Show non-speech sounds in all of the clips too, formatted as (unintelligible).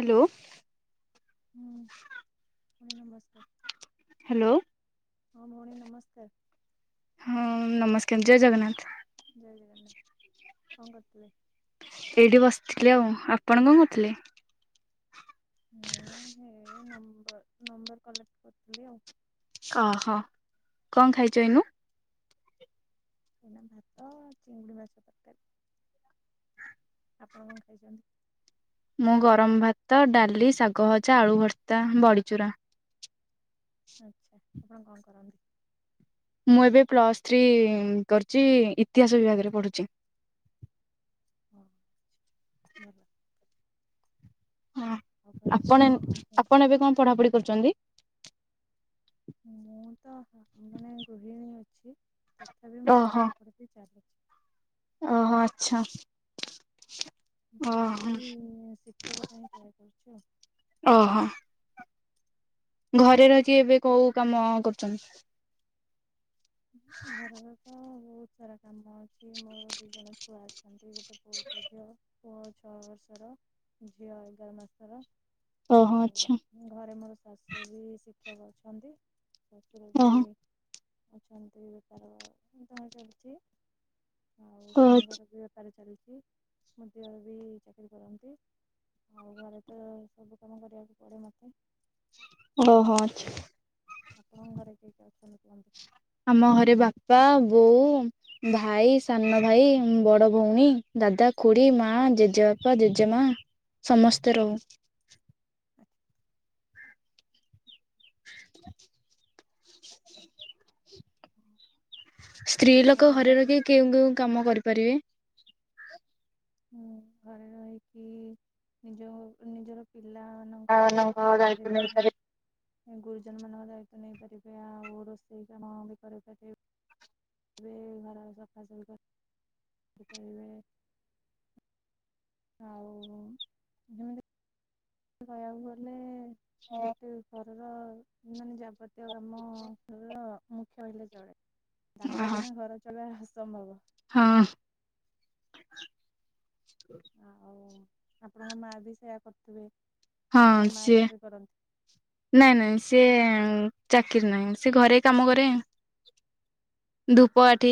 Hello. ହୁଁ ଆଜ୍ଞା ନମସ୍କାର। ହାଲୋ। ହଁ ଭଉଣୀ ନମସ୍କାର। ହଁ ନମସ୍କାର୍ ଜୟ ଜଗନ୍ନାଥ। ଜୟ ଜଗନ୍ନାଥ କଣ କରୁଥିଲେ? ଏଇଠି ବସିଥିଲି ଆଉ ଆପଣ କଣ କରୁଥିଲେ? ମୁଁ ହେ ନମ୍ବର ନମ୍ବର କଲେକ୍ଟ କରିଥିଲି ଆଉ। ଓହୋ କଣ ଖାଇଛ ଏଇନୁ ଏଇନା ଭାତ ଚିଙ୍ଗୁଡ଼ି ମାଛ ତରକାରୀ। ଆପଣ କଣ ଖାଇଚନ୍ତି? ମୁଁ ଗରମ ଭାତ ଡାଲି ଶାଗ ଭଜା ଆଳୁ ଭର୍ତା ବଡ଼ିଚୁରା। ଆଚ୍ଛା ଆପଣ କଣ କରନ୍ତି? ମୁଁ ଏବେ ପ୍ଲସ୍ ଥ୍ରୀ କରିଚି ଇତିହାସ ବିଭାଗରେ ପଢୁଛି। ହଁ ଭଲ। ଆଉ ଘରେ କିଏ ଆପଣ ଅଛନ୍ତି କୁହନ୍ତୁ? ଆପଣ ଏବେ କଣ ପଢାପଢି କରିଚନ୍ତି। ମୁଁ ତ ମାନେ ଗୃହିଣୀ ଓହୋ। ଚାଲୁଚି। ଓହୋ ଆଚ୍ଛା। ମୁଁ ଓହୋ ସେଇ ଶିକ୍ଷକ ପାଇଁ ଟ୍ରାଏ କରୁଚି ଆଉ। ଓହୋ। ଘରେ ରହିକି ଏବେ କୋଉ କାମ କରୁଛନ୍ତି? ଘରର ତ ବହୁତ୍ ସାରା କାମ ଅଛି ମୋର ଦି ଜଣ ଛୁଆ ଅଛନ୍ତି ଗୋଟେ ଗୋଟେ ପୁଅ ଗୋଟେ ଝିଅ ପୁଅ ଛଅ ବର୍ଷର ଝିଅ ଏଗାର ମାସର ଓହୋ ଆଉ ଆଚ୍ଛା ଘରେ ମୋର ଶାଶୁ ବି ଶିକ୍ଷକ ଅଛନ୍ତି ଶାଶୁର ବି ଓହୋ ଅଛନ୍ତି ବେପାର କଣ ଚାଲିଛି ଆଉ ଓହୋ ଆଚ୍ଛା ସ୍ଵାମୀଙ୍କର ବି ବେପାର ଚାଲିଛି ମ ଦିଅର ବି ଚାକିରି କରନ୍ତି। ଆଉ ଘରେ ତ ସବୁ କାମ କରିବାକୁ ପଡ଼େ ମୋତେ ଓହୋ ଆଛା ଆପଣଙ୍କ ଘରେ କିଏ କିଏ ଅଛନ୍ତି କୁହନ୍ତୁ? ଆମ ଘରେ ବାପା ବୋଉ ଭାଇ ସାନ ଭାଇ ବଡ ଭଉଣୀ ଦାଦା ଖୁଡି ମା ଜେଜେବାପା ଜେଜେମା ସମସ୍ତେ ରହୁ। (inaudible) ସ୍ତ୍ରୀ ଆଉ ଲୋକ ରଜ ଘରେ ରଖି କେଉ କେଉ କାମ କରିପାରିବେ? ମୁଁ ଘରେ ରହିକି ନିଜ ନିଜର ପିଲା ଛୁଆଙ୍କ ଓହୋ ଦାୟିତ୍ଵ ନେଇପାରିବେ। ଗୁରୁଜନ ମାନଙ୍କ ଦାୟିତ୍ୱ ନେଇପାରିବେ ଆଉ ରୋଷେଇ କାମ ବି କରିପାରିବେ। ବେ ଘର ସଫାସଫି କରିପାରିବେ। ଆଉ ଯେମିତି କହିବାକୁ ଗଲେ ଗୋଟେ ଘରର ମାନେ ଯାବତୀୟ କାମ ଘରର କହିଲେ ଚଳେ ତାଙ୍କ ବିନା ଘର ଚଳିବା ଅସମ୍ଭବ। ହଁ। ଆ-ଆଉ ଆପଣଙ୍କ ମା ବି ସେୟା କରୁଥିବେ। ହଁ, ଆପଣଙ୍କ ମା ସିଏ। ଚାକିରି କରନ୍ତି ନାଇଁ ନାଇଁ ସିଏ ଚାକିରି ନାହିଁ ସି ଘରେ କାମ କରିବେ। ଧୂପ କାଠି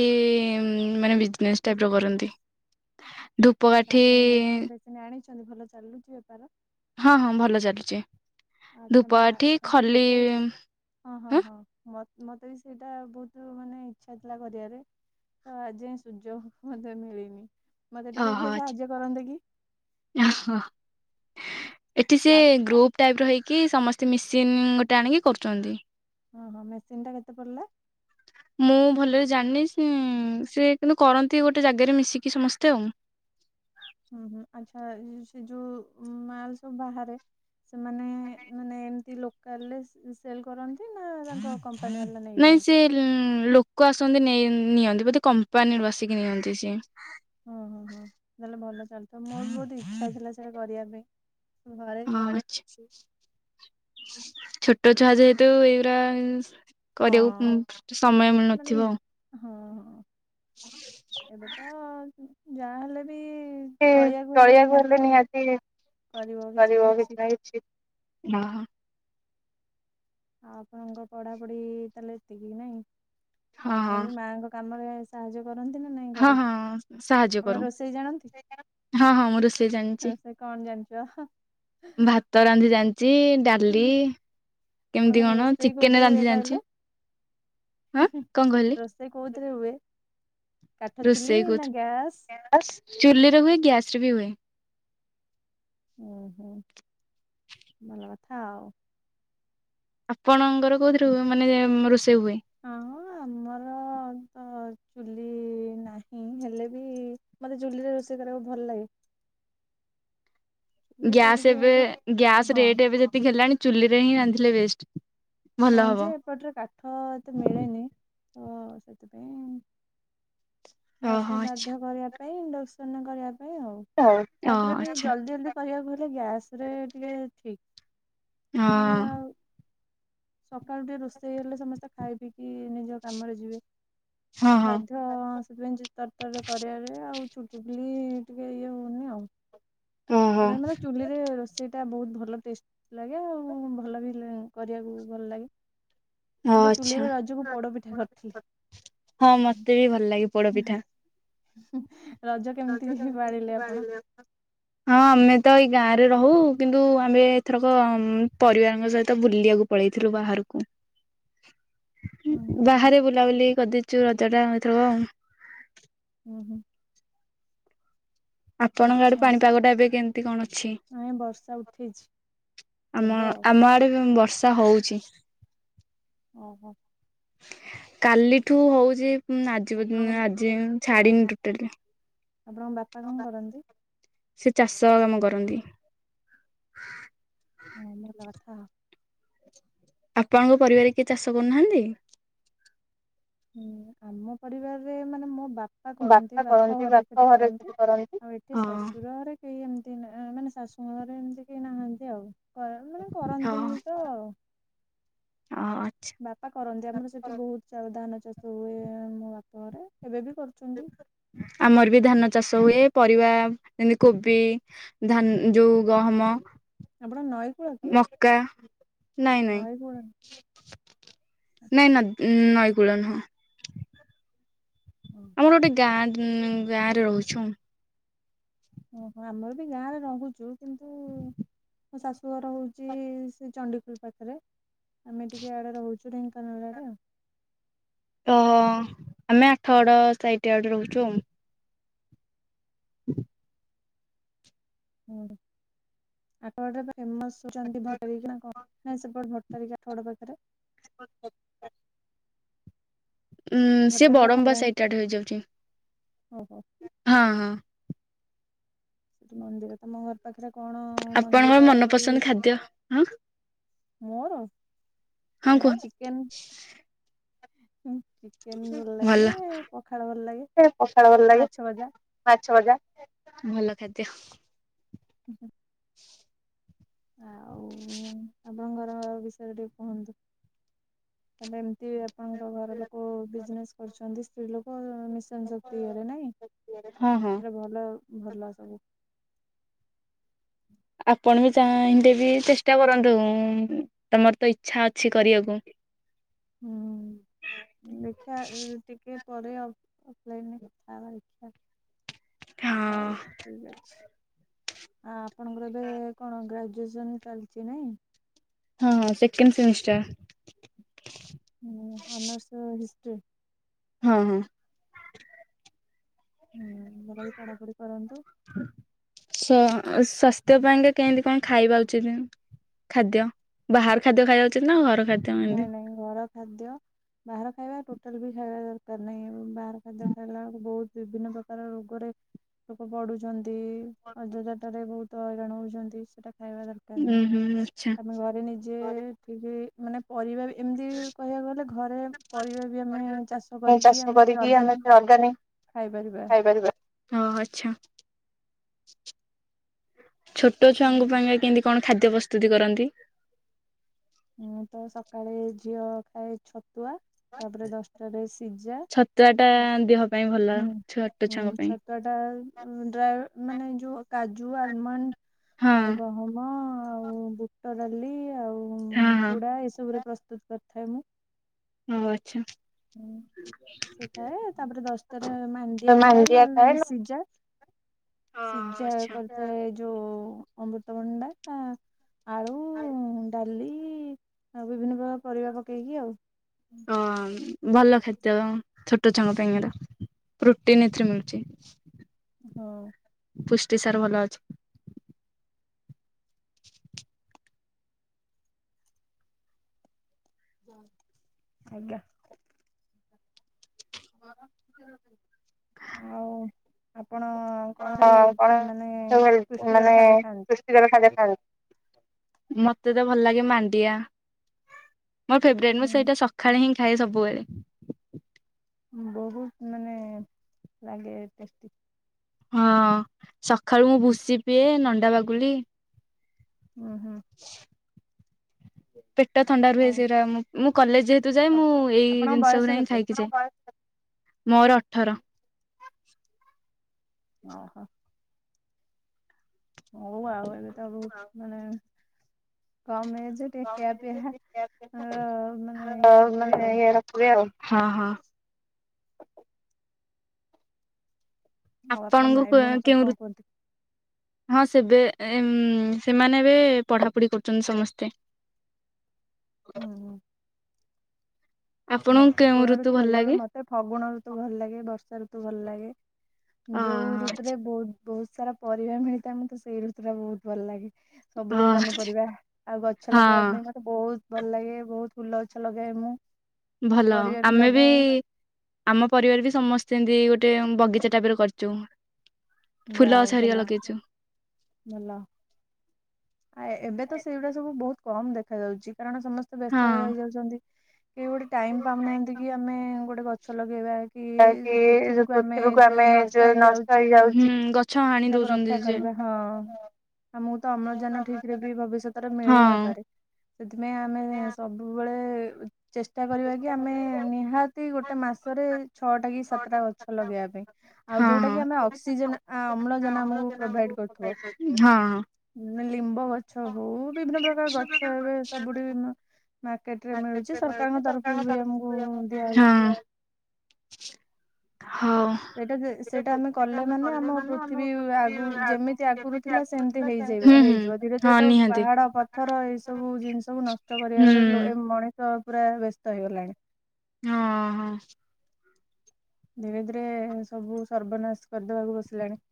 ମାନେ ବିଜନେସ୍ ଟାଇପ୍ ର କରନ୍ତି। ବି ଧୂପକାଠି ସେ ଜାଣିଛନ୍ତି ଭଲ ଚାଲୁଛି ବେପାର। ହଁ, ହଁ ଭଲ ଚାଲୁଛି ଆଚ୍ଛା ଧୂପ ମା କାଠି ଏବେ ଖଲି ଯେତେ ହଁ, ହଁ, ହଁ ମତେ ବି ସେଇଟା ବହୁତ ମାନେ ଇଛା ଥିଲା କରିବାରେ। ତ ଆକି ସୁଯୋଗ ମତେ ମିଳିନି ମତେ ଟିକେ କିଏ ସାହାଯ୍ୟ କରନ୍ତେ କି। ଓହୋ ଏଠି ସେ ଆ ଗଗ୍ରପୁ ଟାଇପ୍ ର ହେଇକି ସମସ୍ତେ ମିେସିନ୍ ଗୋଟେ ଆଣିକି କରୁଛନ୍ତି। ହଁ ହଁ ମେସିନ୍ ଟା କେତେ ପଡ଼ିଲା? (inaudible) ମୁଁ ଭଲରେ ଜାଣିନି ସେ ସେ କିନ୍ତୁ କରନ୍ତି ଗୋଟେ ଜାଗାରେ ମିଶିକି ସମସ୍ତେ ଆଉ। ହୁଁ ହୁଁ ଆଚ୍ଛା ସେ ଯୋଉ ମାଲ ସବୁ ବାହାରେ ସେମାନେ ମାନେ ଏମତି ଲୋକାଲ ରେ ସେଲ୍ କରନ୍ତି ନହଲେ ତାଙ୍କ କମ୍ପାନୀ ନାଇଁ ନେଇଯାଆନ୍ତି? ସେି ଲୋକ ଆସନ୍ତି ନି -ନିଅନ୍ତି ବୋଧେ କମ୍ପାନୀରୁ ବସିକି ନିଅନ୍ତି ସି ଓହୋ ହଁ ତାହେଲେ ଭଲ ଚାଲଥିବ ମୋର ବି ବହୁତ୍ ଇଚ୍ଛା ଥିଲା ସେଟା କରିବା ପାଇଁ। ଘରେ ହଁ, ଅଛି ଆଛା ଛୋଟ ଛୁଆ ଯେହେତୁ ଏଇଗୁରା ହଁ କରିବାକୁ ସମୟ ମାନେ ମିଳୁନଥିବ ଆଉ। ହଁ, ହଁ ଏବେ ତ ଯାହାହଲେ ବି ଚଳିବାକୁ ହେଲେ ନିହାତି କରିବ କିଛି ନା କିଛି ଛି, ହଁ, ହ ଆଉ ଆପଣଙ୍କ ପଢାପଢି ତାହେଲେ ଏତିକି ନାହିଁ ଆଉ ହଁ ଆପଣ ହଁ ବି ମାଙ୍କ କାମରେ ଆଶି ସାହାଯ୍ୟ କରନ୍ତି ନା ନାଇଁ ହଁ ଘରେ ହଁ ହଁ ସାହାଯ୍ୟ ଆପଣ କରୁ। ରୋଷେଇ ଜାଣନ୍ତି। ହଁ ହଁ ମୁଁ ରୋଷେଇ ଜାଣିଛି ରୋଷେଇ କଣ ଜାଣିଛ ହ ଭାତ ରାନ୍ଧି ଜାଣିଛି ଡା ଡାଲି କେମିତି ଆପଣଙ୍କର କଣ ରୋଷେଇ ଚିକେନ୍ କୋଉଥିରେ ହୁଏ ରାନ୍ଧି କହିଲେ? ଜଣିଛି। ହୁଁ କଣ କହିଲେ। ରୋଷେଇ କୋଉଥିରେ ହୁଏ? କାଠ ଚୁଲି ରୋଷେଇ ନା କଉଥିରେ ଗ୍ୟାସ୍? ହୁଏ, ଚୁଲିରେ ହୁଏ, ଗ୍ୟାସ ରେ ବି ହୁଏ? ଉ, ହୁଁ ଭଲ କଥା ଆଉ। ଆପଣଙ୍କର କୋଉଥିରେ ହୁଏ ମାନେ ରୋଷେଇ ହୁଏ? ଆମ ଆମର ତ ଚୁଲି ନାହିଁ। ହେଲେ ବି ମତେ ଚୁଲି ରେ ରୋଷେଇ କରିବାକୁ ଭଲ ଲାଗେ। ଚୁଲିଟା ଗ୍ୟାସ୍ ଟିକେ ଏବେ ଯୋଉ ଗ୍ୟାସ ହଁ ରେଟ ଏବେ ଯେତିକି ହେଲାଣି ଚୁଲିରେ ହିଁ ରାନ୍ଧିଲେ ବେଷ୍ଟ। ଭଲ ହଁ ହବ ଯେ ଏପଟରେ କାଠ ଏତେ ମିଳେନି ତ ସେଥିପାଇଁ ଗ୍ୟାସ ଓହୋ ରେ ଆଚ୍ଛା ବାଧ୍ୟ କରିବା ପାଇଁ ଇଣ୍ଡକ୍ସନ କରିବା ପାଇଁ ଆଉ। ଓ ତାପରେ ବି ଆଚ୍ଛା ଜଲଦି ଜଲଦି କରିବାକୁ ହେଲେ ଗ୍ୟାସ୍ ରେ ଟିକେ ଠିକ। ମାନେ ହଁ ଆଉ ସକାଳୁ ଟିକେ ରୋଷେଇ ହେଲେ ସମସ୍ତେ ଖାଇ ପି କିି ନିଜ କାମରେ ଯିବେ ହଁ ହଁ ବାଧ୍ୟ ତ ସେଥିପାଇଁ ଯେ ତର ତରରେ କରିବାରେ ଆଉ ଚୁଲି ବୁଲି ଟିକେ ଇଏ ହଉନି ଆଉ। ଓହୋ ତା ଦେହରେ ଆମର ଚୁଲିରେ ରୋଷେଇ ଟା ବହୁତ ଭଲ ଟେଷ୍ଟ ଲାଗେ ଆଉ ଭଲ ବି କରିବାକୁ ଭଲ ଲାଗେ। ଓ କିନ୍ତୁ ଆଚ୍ଛା ଚୁଲିରେ ରଜକୁ ପୋଡ ପିଠା କରିଥିଲି। ତେ ବି ଭଲ ଲାଗେ ପୋ ରଜ କେମିତି ପାଳିଲେ ଆପଣ? ହଁ ଆମେ ତ ଏଇ ଗାଁରେ ରହୁ କିନ୍ତୁ ଆମେ ଏଥରକ ପରିବାରଙ୍କ ସହିତ ବୁଲିବାକୁ ପଳେଇଥିଲୁ ବାହାରକୁ। ହୁଁ। ହୁଁ। ବାହାରେ ବୁଲାବୁଲି କରିଦେଇଚୁ ରଜଟା ହେଥିବ ଆଉ। ହୁଁ ହୁଁ। ଆପଣଙ୍କ ଆଡେ ଆଚ୍ଛା। ପାଣିପାଗ ଟା ଏବେ କେମିତି କଣ ଅଛି? ନାଇଁ ବର୍ଷା ଉଠେଇଛି ଆମ ହବ। ଆମ ଆଡେ ବି ବର୍ଷା ହଉଚି। ଓହୋ। କାଲିଠୁ ହଉଚି ଉଁ ଆଜି ପଜ ଆପଣଙ୍କ ଆଜି ଛାଡିନି ଓହୋ ଟୋଟାଲି। ଆପଣଙ୍କ ବାପା କଣ କରନ୍ତି? ସେ ଚାଷ କାମ କରନ୍ତି। ହୁଁ ଭଲ କଥା। ଆପଣଙ୍କ ପରିବାରେ କିଏ ଚାଷ କରୁନାହାଁନ୍ତି? ହୁଁ ଆମ ପରିବାରରେ ମାନେ ମୋ ବାପ ବାପା କରନ୍ତି ବାପ ଘରେ ସେଠି କରନ୍ତି ଆଉ ଏଠି ହଁ ଶଶୁର ଘରେ କେହି ଏମିତି ମାନେ ଶାଶୁଙ୍କ ଘରେ ଏମିତି କେହି ନାହାନ୍ତି ଆଉ। କର ମାନେ କରନ୍ତିନି ତ ଆଉ। ଓ ଆଛା ବାପା କରନ୍ତି ଆମର ସେଇଠି ବହୁତ ଚ ଧାନ ଚାଷ ହୁଏ ମୋ ବାପ ଘରେ ଏବେ ବି କରୁଚନ୍ତି। ଆମର ବି ଧାନ ଚାଷ ହୁଏ ପରିବା ଯେମିତି କୋବି ଧାନ ଯୋଉ ଗହମ ଆପଣ ନଈକୂଳ କି? କା ନଈ କୂଳ ନାଇଁ ନ ନଈକୂଳ ନୁହଁ। ହୁଁ। ଆମର ଗୋଟେ ଗାଁ ଗାଁରେ ରହୁଚୁ। ଓହୋ ଆମର ବି ଗାଁ ରେ ରହୁଚୁ କିନ୍ତୁ (inaudible) ମୋ ଶାଶୁଘର ହଉଛି ସେ ଚଣ୍ଡିଖୋଲ ପାଖରେ ଆମେ ଟିକେଆଡେ ରହୁଛୁ ଢେଙ୍କାନାଳ ଆଡ ଆଉ। ତ ଆମେ ଆଠ ଗଡ଼ ସାଇଟ ଆଡେ ରହୁଛୁଆଉ। (inaudible) ହୁଁ ଆଠ ଗଟେ ଫେମସଉଛନ୍ତି ଭଟର କିନା କଣ? ହଁ ସେପଟ ଭଟାରିକା ଆଠ ବଟା ପାଖରେ। ହ (unintelligible) ଉଁ ସେ ଭଟ୍ଟାରିକା ବଡମ୍ବା ଠାକୁରାଣୀ ସଇଟଆଡ଼େ ହେଇଯାଉଛି ଓହୋ। ହଁ ହଁ। ସେଠି ମନ୍ଦିର ତମ ଘର ପାଖରେ କଣ ହ ଆପଣଙ୍କର ମନ୍ଦିର କି ମନପସନ୍ଦ ଖାଦ୍ୟ ହଁ ମୋର ହଁ ମୋର କୁହ ଚିକେନ ଚିକେନ ଭଲ ଲାଗେ ପଖାଳ ଭଲ ଲାଗେ ମାଛ ଭଜା ମାଛ ଭଜା ଭଲ ଖାଦ୍ୟ ହୁଁ ହୁଁ। (inaudible) ଆପଣଙ୍କର ବିଷୟରେ ଟିକେ କୁହନ୍ତୁ? ତାଲେ ଏମତି ଆପଣଙ୍କ ଘର ଲୋକ ବିଜନେସ କରୁଛନ୍ତି ସ୍ତ୍ରୀ ଲୋକ ନ ଶକ୍ତି ଇରେ ନାଇଁ ହଁ ହଁ ସେଟା ଭଲ ଭଲ ସବୁ ଆପଣ ବି ଚାହିଁଲେ ବି ଚେଷ୍ଟା କରନ୍ତୁ ତମର ତ ଇଚ୍ଛା ଅଛି କରିବାକୁ ହୁଁ ଦେଖୀ ବା ଉ ଟିକେ ପରେ ଅଫଲାଇନରେ କଥା ହେବା ଦେଖିବା। ହଁ ହଉ ଠିକ ଅଛି। ଆ ଆପଣଙ୍କର ଏବେ କଣ ଗ୍ରାଜୁଏସନ୍ ଚାଲିଛି ନାହିଁ? ହଁ ସେକେଣ୍ଡ ସେମିଷ୍ଟାର। ହଁ ଅନନର୍ସ ହିଷ୍ଟ୍ରି। ହଁ ହଁ। ହୁଁ ଭଲ ବିି ପଢାପଢି କରନ୍ତୁ ସ୍ୱାସ୍ଥ୍ୟ ପାଇଁକା କେମିତି କଣ ଖାଇବା ଉଚିତ ନୁହଁ ଖାଦ୍ୟ ବାହାର ଖାଦ୍ୟ ଖାଇବାଉଚଛନ୍ତି ନା ଘର ଖାଦ୍ୟ ଏମିତି ନାଇଁ ନାଇଁ ଘର ଖାଦ୍ୟ ବାହାର ଖାଇବା ଟୋଟାଲ ବି ଖାଇବା ଦରକାର ନାହିଁ ଏବଂ ବାହାର ଖାଦ୍ୟ ଖାଇଲା ବେଳକୁ ବହୁତ ବିଭିନ୍ନ ପ୍ରକାର ରୋଗରେ ଲୋକ ପଡୁଛନ୍ତି ଅଯଯ ଥା ରେ ବହୁତ ହଇରାଣ ହଉଛନ୍ତି ସେଟା ଖାଇବା ଦରକାର ଦରକାର ଉୁଁ ନାଇଁ ହୁଁ ଆଚ୍ଛା ଆମେ ଘରେ ନିଜେ ଠିକ ମାନେ ପରିବା ଏମିତି କହିବାକୁ ଗଲେ ଘରେ ପରିବା ବି ଆମେ ଚାଷ କରିକି ଆମେ ସେ ଅର୍ଗାନିକ ଖାଇପାରିବା। ଓ ଆଛା ଛୋଟ ହୁଁ। ଛୁଆଙ୍କ ପାଇଁ କେମିତି କଣ ଖାଦ୍ୟ ପ୍ରସ୍ତୁତି କରନ୍ତି? ହୁଁ ତ ସକାଳେ ଝିଅ ଖାଏ ଛତୁଆ ତାପରେ ଦଶଟାରେ ସିଜା ଛତୁଆ ଟା ଦେହ ପାଇଁ ଭଲ ଛୁଆ ହୁଁ ଛତ ଟା ଡ୍ରା ମାନେ ଯୋଉ କାଜୁ ଆଲମଣ୍ଡ ହଁ ଆଉ କହଁ ମ ଆଉ ବୁଟ ଡାଲି ଆଉ ହଁ ହଁ ଚୁଡ଼ା ଏସବୁରେ ପ୍ରସ୍ତୁତ କରିଥାଏ ମୁଁ। ଓ ଆଚ୍ଛା। ହୁଁ। ସେ ଖାଏ ତାପରେ ଦଶଟାରେ ମାଣ୍ଡିଆ ଖାଏ ନହେଲେ ନାଇଁ ସିଯା। ହଁ ସିଜା ଆଚ୍ଛା। କରିଥାଏ ଯୋଉ ଅମୃତଭଣ୍ଡା ତା ଆଳୁ? ଡାଲି ଆଉ ବିଭିନ୍ନ ପ୍ରକାର ପରିବା ପକେଇକି ଆଉ। ହ ଭଲ ଖାଦ୍ୟ ଛୋଟ ଛଆଙ୍କ ପାଇଁ ଏଟା। ପ୍ରୁଟିନ ଏଥିରେ ମିଳୁଚି। ହଁ। ପୁଷ୍ଟି ସାରଭଲ ଅଛି। ଆଜ୍ଞା। ଆଉ ଆପଣ? କଣ ସବୁ ଘ ମାନେ ପୁଷ୍ଟିକର ଖାଦ୍ୟ ଖାଆ? ପୁଷ୍ଟିସାର ଖାଦ୍ଯ ଖାଆନ୍ତି। ମତେ ତ ଭଲ ଲାଗେ ମାଣ୍ଡିଆ। ମୋର ଫେବ୍ରେଟ। ମୁଁ ସେଇଟା ସକାଳେ ହିଁ ଖାଏ ସବୁବେଳେ। ମୁଁ ବହୁତ ମାନେ ଲାଗେ ଟେଷ୍ଟି। ହଁ ସକାଳୁ ମୁଁ ଭୁଷି ପିଏ ନଣ୍ଡା ବାଗୁଲି। ହୁଁ ହୁଁ। (unintelligible) ପେଟ ଥଣ୍ଡା ରୁହେ ହଉ। ସେରା। ମୁଁ ମୁଁ କଲେଜ ଯେହେତୁ ଯାଏ ମୁଁ ଏଇ ଆପଣଙ୍କ ଜିନିଷ ବୟସ ଗୁରା ହଁ କେତେ? ଖାଇକି ଯାଏ। ମୋର ଅଠର। ଓହ। ହଉ ଆଉ ଏବେ ତ ବହୁତ ମାନେ କମ ଏଜେ। ଖିଆ ପିଆ ମାନେ ଇଏ ରଖିବେ ଆଉ। ରଖିବି ଆଉ ହଁ ହଁ। (inaudible) ଆଉ ଆପଣଙ୍କ ଆପଣଙ୍କୁ ଭାଇ କେ ଭଉଣୀ ସବୁ କେଉଁ କଣ ଋତୁ? କୁହନ୍ତି? ହଁ ସେବେ ସେମାନେ ଏବେ ପଢ଼ାପଢ଼ି କରୁଛନ୍ତି ସମସ୍ତେ। ହୁଁ ହୁଁ। ମତେ କଣ ଋତୁ ଭଲ ଲାଗେ ମତେ ଫଗୁଣ ଋତୁ ଭଲ ଲାଗେ ବର୍ଷା ଋତୁ ଭଲ ଲାଗେ। ଅ ଯୋଉ ଋତୁରେ ବହୁତ ବହୁତ ସାରା ପରିବା ମିଳିଥାଏ ମତେ ସେଇ ଋତୁ ଟା ବହୁତ ଭଲ ଲାଗେ। ସବୁଜ ପନିପରିବା ଆଉ ଗଛ ଲଗେଇବା ହଁ ପାଇଁ? ବହୁତ ଭଲ ଲାଗେ ବହୁତ ଫୁଲ ଗଛ ଲଗାଏ ମୁଁ। ଭଲ ପରିବା ଆମେ ବି? ଲଗାଏ ଆମ ପରିବାର ବି ସମସ୍ତେ ଏମତି ଗୋଟେ ବଗିଚା ଟାଇପର କରିଚୁ। ଯାହା ଫୁଲ ହଉ ଗଛ ହେରିକା ଭଲ ଲଗେଇଚୁ। ଭଲ। ଆ ଏବେ ତ ସେଇଗୁଡା ସବୁ ବହୁତ କମ ଦେଖା ଯାଉଚି କାରଣ ସମସ୍ତେ ହଁ। ବ୍ୟସ୍ତରେ ରହିଯାଉଛନ୍ତି। କେଈ ଗୋଟେ ଟାଇମ ପାଉନାହାନ୍ତି କି ଆମେ ଗୋଟେ ଗଛ ଲଗେଇବା। କି (unintelligible) ପୃଥିବୀକୁ ଆମେ ଯୋଉ ନଷ୍ଟ ହେଇଯାଉଚି ଗଛ ହାଣି ସେ ତାକୁ ଦଉଛନ୍ତି ରକ୍ଷା? ଯେ କରିବା ହଁ ଆମକୁ ତ ଅମ୍ଳଜାନ? ଠିକ ରେ ବି ଭବିଷ୍ୟତରେ ହଁ ମିଳି ନପାରେ ସେଥିପାଇଁ ଆମେ ସବୁବେଳେ? ଚେଷ୍ଟା କରିବା କି ଆମେ ନିହାତି ଗୋଟେ ମାସରେ? ଛଅଟା କି ସାତଟା ଗଛ ଲଗେଇବା ପାଇଁ ଆଉ ହଁ ଯୋଉଟା ହଁ। କି ଆମେ ଅକ୍ସିଜେନ? ଆ ଅମ୍ଳଜାନ ଆମକୁ ପ୍ରୋଭାଇଡ୍ ହଁ କରୁଥିବ। ହଁ। ଲିମ୍ବ ଗଛ ହଉ ବିଭିନ୍ନ ପ୍ରକାର ଗଛ ଏବେ ସବୁଠି ମାର୍କେଟରେ ମିଳୁଚି। ସେ ସରକାରଙ୍କ ତରଫରୁ ବି ଆମକୁ ଦିଆହଉଚି। ହଉ। ସେଇଟା ଯେ ସେଇଟା ଆମେ କଲେ ମାନେ ଆମ ପୃଥିବୀ ଆଗ ଯେମିତି ଆଗରୁ ଥିଲା ସେମିତି ହେଇଯାଇପାରେ ହୁଁ ହୁଁ ହେଇଯିବ ଧୀରେ ଧୀରେ ହଁ ତ ନିହାତି ପାହାଡ ପ ଥର ଏଇ ସବୁ ଜିନିଷକୁୁ ନଷ୍ଟ ହୁଁ କରିବାରେ ଏ ମଣିଷ ପୁରା ବ୍ୟସ୍ତ ହେଇଗଲାଣି। ହଁ ହଁ। ଧୀରେ ଧୀରେ ସବୁ ସର୍ବନାଶ କରିଦବାକୁ ବସିଲେଣି।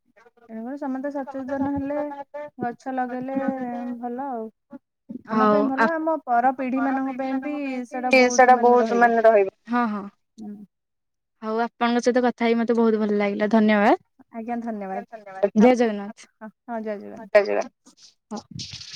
ତେଣୁକରି ସମସ୍ତେ ସଚେତନ ହେଲେ ଗଛ ଲଗେଇଲେ ଭଲ ଆଉ। ଆମ ପାଇଁ ହଉ ଭଲ ଆ ଆମ ପର ପିଢି ମାନଙ୍କ ପାଇଁ ବି ସେଟା ବହୁତ ମାନେ ରହିବ। ହଁ ହଁ ହୁଁ ହଉ ଆପଣଙ୍କ ସହିତ କଥା ହେଇ ମତେ ବହୁତ ଭଲ ଲାଗିଲା। ଧନ୍ୟବାଦ ଆଜ୍ଞା ଜୟ ଧନ୍ୟବାଦ ଜଗନ୍ନାଥ ଜୟ ଆପ- ହଁ ହଁ, ଜୟ ଜଗନ୍ନାଥ। ହଁ।